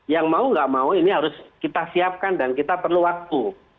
yang mau gak mau ini harus kita siapkan dan kita perlu waktu